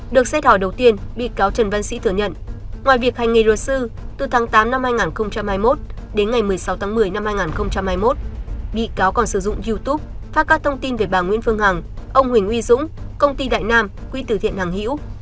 được xét hỏi đầu tiên bị cáo trần văn sĩ thừa nhận ngoài việc hành nghề luật sư từ tháng tám năm hai nghìn hai mươi một đến ngày một mươi sáu tháng một mươi năm hai nghìn hai mươi một bị cáo còn sử dụng youtube phát các thông tin về bà nguyễn phương hằng ông huỳnh uy dũng công ty đại nam quỹ tử thiện hằng hiễu